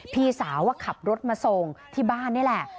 พี่สาวขับรถมาส่งที่บ้านนี่แหละ